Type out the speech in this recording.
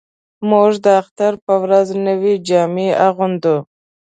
موږ د اختر په ورځ نوې جامې اغوندو